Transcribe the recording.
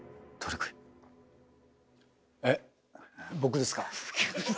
えっ僕ですか？